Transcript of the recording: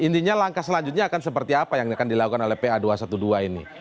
intinya langkah selanjutnya akan seperti apa yang akan dilakukan oleh pa dua ratus dua belas ini